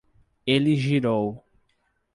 Ele girou